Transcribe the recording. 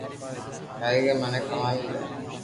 ڪريگر مني ڪماوين دي